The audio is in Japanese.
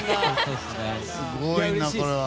すごいな、これは。